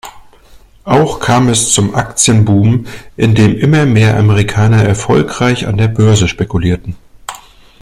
Auch kam es zum Aktien-Boom, indem immer mehr Amerikaner erfolgreich an der Börse spekulierten.